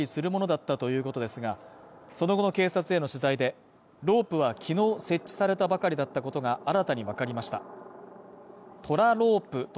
遊具は小さな山をロープを使い、上り下りするものだったということですが、その後の警察への取材で、ロープは昨日設置されたばかりだったことが新たにわかりました。